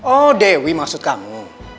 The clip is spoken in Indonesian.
oh dewi maksud kamu